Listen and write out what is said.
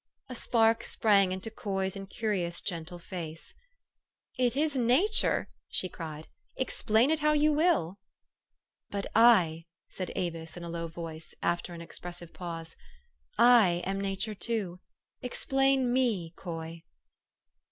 A spark sprang into Coy's incurious, gentle face. "It is nature!" she cried. " Explain it how you will." "But I," said Avis in a low voice, after an ex pressive pause, " I am nature, too. Explain me, Coy."